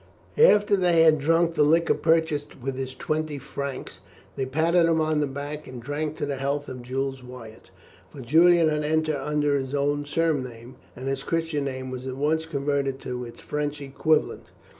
After they had drunk the liquor purchased with his twenty francs, they patted him on the back and drank to the health of Jules Wyatt, for Julian had entered under his own surname, and his Christian name was at once converted to its French equivalent.